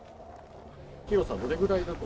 広さどれぐらいだと。